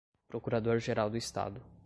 procurador-geral do Estado